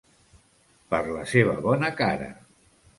Per la seva bona cara.